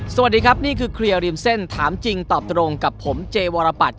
สวัสดีครับนี่คือเคลียร์ริมเส้นถามจริงตอบตรงกับผมเจวรปัตย